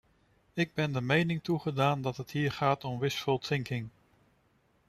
Ik ben de mening toegedaan dat het hier gaat om wishful thinking.